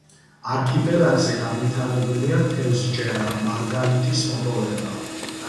არქიპელაგზე განვითარებულია თევზჭერა, მარგალიტის მოპოვება.